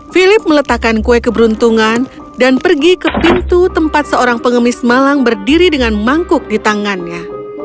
philip meletakkan kue keberuntungan dan pergi ke pintu tempat seorang pengemis malang berdiri dengan mangkuk di tangannya